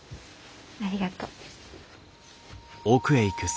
ありがとう。